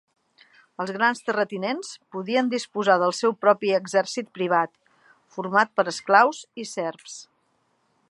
Els grans terratinents podien disposar del seu propi exèrcit privat, format per esclaus i serfs.